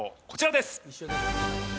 こちらです。